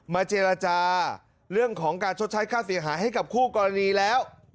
เจรจาเรื่องของการชดใช้ค่าเสียหายให้กับคู่กรณีแล้ว